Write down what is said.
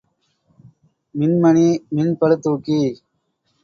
மின்மணி, மின் பளுத்துக்கி.